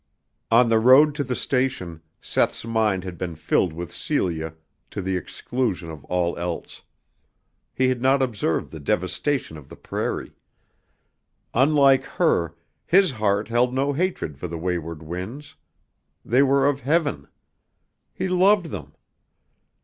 On the road to the station, Seth's mind had been filled with Celia to the exclusion of all else. He had not observed the devastation of the prairie. Unlike her, his heart held no hatred for the wayward winds. They were of heaven. He loved them.